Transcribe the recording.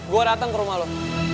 gue datang ke rumah lo